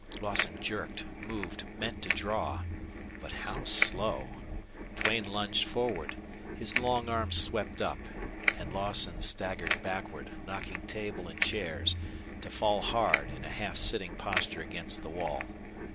Lawson jerked, moved, meant to draw. But how slow! Duane lunged forward. His long arm swept up. And Lawson staggered backward, knocking table and chairs, to fall hard, in a half sitting posture against the wall.